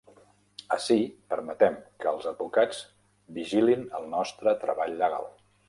Ací permetem que els advocats vigilin el nostre treball legal.